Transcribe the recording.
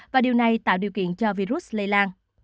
và điều này tạo điều kiện cho virus lây lan